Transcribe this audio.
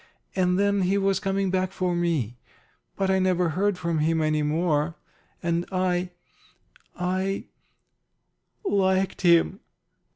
And then he was coming back for me. But I never heard from him any more. And I I liked him."